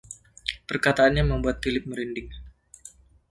Perkataannya membuat Philip merinding.